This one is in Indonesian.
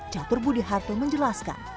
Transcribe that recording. jatur budi harto menjelaskan